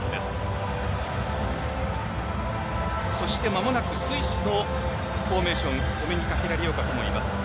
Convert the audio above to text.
そして間もなくスイスのフォーメーションお目にかけられようかと思います。